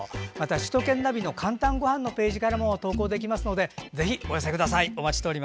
首都圏ナビの「かんたんごはん」のページからも投稿できますのでどうぞお寄せください。